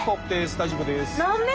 大丈夫です。